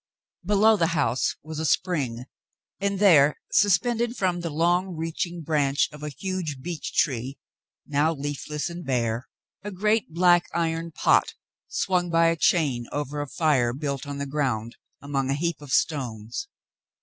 Below the house was a spring, and there, suspended from the long reaching branch of a huge beech tree, now leaf less and bare, a great, black iron pot swung by a chain over a fire built on the ground among a heap of stones.